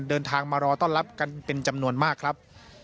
เดินทางมารอต้อนรับกันเป็นจำนวนมากครับ